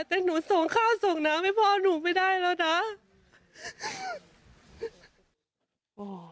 แต่หนูส่งข้าวส่งน้ำให้พ่อหนูไม่ได้แล้วนะ